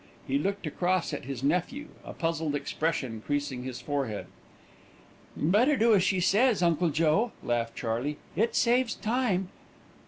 He looked across at his nephew, a puzzled expression creasing his forehead. "Better do as she says, Uncle Joe," laughed Charley. "It saves time."